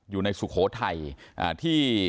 อยู่ในสุโขทัยที่